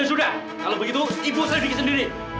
ya sudah kalau begitu ibu selalu sendiri